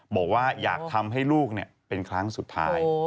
บอกว่าอยากทำให้ลูกเป็นครั้งสุดท้าย